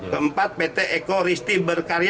keempat pt eko risti berkarya